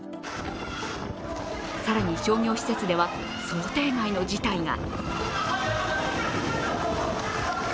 更に商業施設では想定外の事態が。